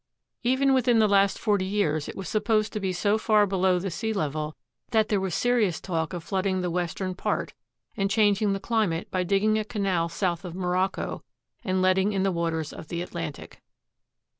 Even within the last forty years it was supposed to be so far below the sea level that there was serious talk of flooding the western part and changing the climate by dig ging a canal south of Morocco and letting in the waters of the Atlantic.